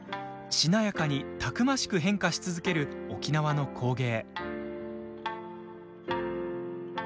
しなやかにたくましく変化し続ける沖縄の工芸。